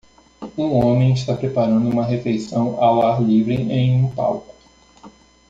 Um homem está preparando uma refeição ao ar livre em um palco.